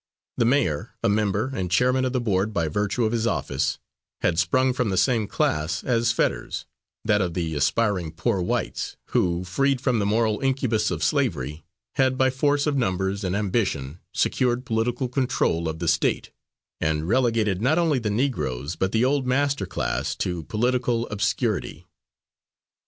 The mayor, a member and chairman of the board by virtue of his office, had sprung from the same class as Fetters, that of the aspiring poor whites, who, freed from the moral incubus of slavery, had by force of numbers and ambition secured political control of the State and relegated not only the Negroes, but the old master class, to political obscurity.